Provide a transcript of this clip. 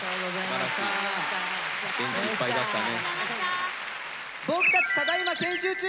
元気いっぱいだったね。